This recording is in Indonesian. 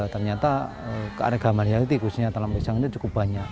ternyata keanegaman yang dikhususkan dalam pisang ini cukup banyak